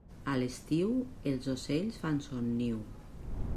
A l'estiu, els ocells fan son niu.